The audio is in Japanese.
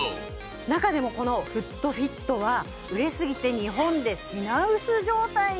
中でもこのＦｏｏｔＦｉｔは売れすぎて日本で品薄状態に。